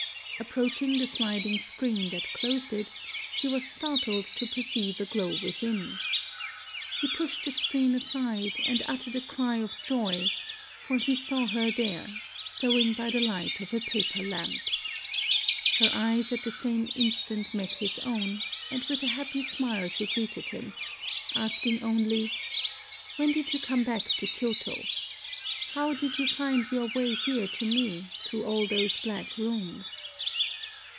Approaching the sliding screen that closed it, he was startled to perceive a glow within. He pushed the screen aside, and uttered a cry of joy; for he saw her there, sewing by the light of a paper lamp. Her eyes at the same instant met his own; and with a happy smile she greeted him, asking only: "When did you come back to Kyôto? How did you find your way here to me, through all those black rooms?"